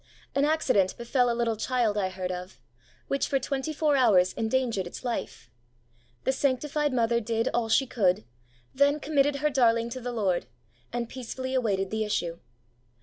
An accident befell a little child I heard of, which for twenty four hours 74 the way of holiness endangered its life. The sanctified mother did all she could, then committed her darling to the Lord, and peacefully awaited the issue.